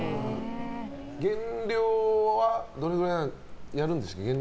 減量はどれくらいやるんでしたっけ？